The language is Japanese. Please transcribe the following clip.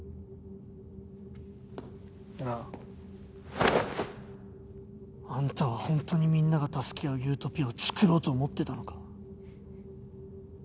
なあ。あんたは本当にみんなが助け合うユートピアを作ろうと思ってたのか？